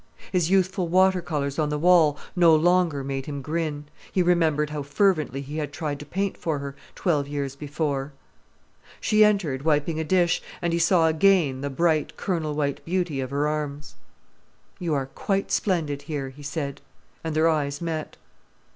His youthful water colours on the wall no longer made him grin; he remembered how fervently he had tried to paint for her, twelve years before. She entered, wiping a dish, and he saw again the bright, kernel white beauty of her arms. "You are quite splendid here," he said, and their eyes met.